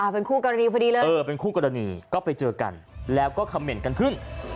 เป็นคู่กรณีพอดีเลยเออเป็นคู่กรณีก็ไปเจอกันแล้วก็คำเหน่นกันขึ้น